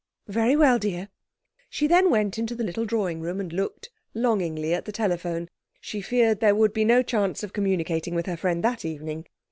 'Very well, dear.' She then went into the little drawing room and looked longingly at the telephone. She feared there would be no chance of communicating with her friend that evening.